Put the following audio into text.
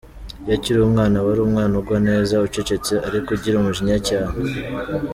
Iyo akiri umwana, aba ari umwana ugwa neza, ucecetse ariko ugira umujinya cyane.